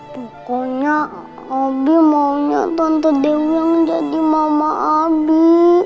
pokoknya abi maunya tante dewi yang jadi mama abi